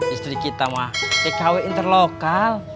istri kita mah ekw interlokal